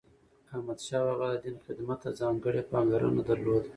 احمدشاه بابا د دین خدمت ته ځانګړی پاملرنه درلوده.